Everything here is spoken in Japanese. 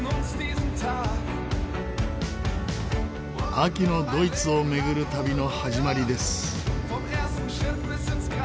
秋のドイツを巡る旅の始まりです。